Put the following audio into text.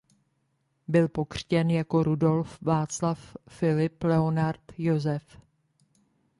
Byl pokřtěn jako Rudolf Václav Filip Leonard Josef.